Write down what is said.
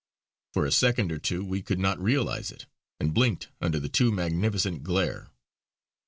For a second or two we could not realise it, and blinked under the too magnificent glare.